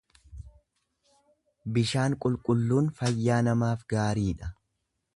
Bishaan qulqulluun fayyaa namaaf gaariidha.